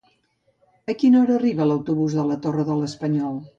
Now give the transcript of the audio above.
A quina hora arriba l'autobús de la Torre de l'Espanyol?